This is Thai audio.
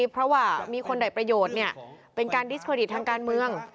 เพราะว่ามีคนได้ประโยชน์เป็นการดิสเครดิตทางการเมือง